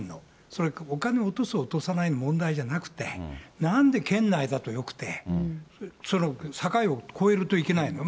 それ、お金を落とす、落とさないの問題じゃなくて、なんで県内だとよくて、境を越えるといけないの？